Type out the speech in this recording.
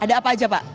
ada apa aja pak